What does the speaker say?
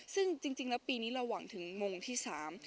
ซึ่งในปีนี้เราหวังถึงมงที่สาม